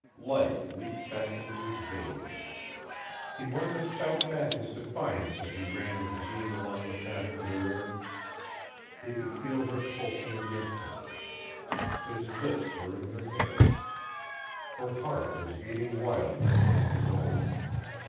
Life leaped back into his veins. He wanted to shout back his defiance as he ran with Jeanne along the path to the river. He could feel her pulsing against him. His lips were in her hair. Her heart was beating wildly against his own.